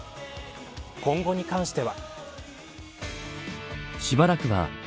今後に関しては。